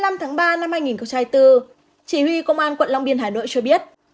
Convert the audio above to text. ngày hai mươi năm tháng ba năm hai nghìn bốn chỉ huy công an quận long biên hà nội cho biết